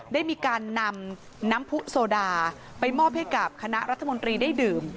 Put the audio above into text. ได้มีการนำน้ำผู้โซดาไปมอบให้กับคณะรัฐมนตรีได้ดื่ม